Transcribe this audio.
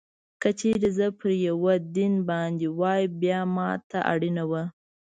که چېرې زه پر یوه دین باندې وای، بیا ما ته اړینه وه.